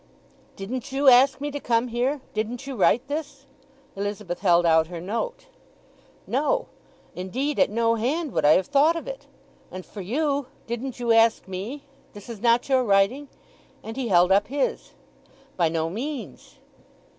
"Didn't you ask me to come here? Didn't you write this?" Elizabeth held out her note. "No. Indeed, at no hand would I have thought of it! And for you—didn't you ask me? This is not your writing?" And he held up his. "By no means."